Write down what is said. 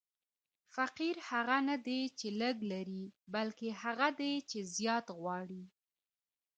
فقیر هغه نه دئ، چي لږ لري؛ بلکي هغه دئ، چي زیات غواړي.